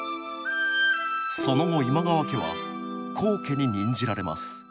その後今川家は高家に任じられます。